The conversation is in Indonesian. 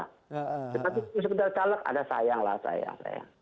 tapi itu sebentar talek ada sayang lah sayang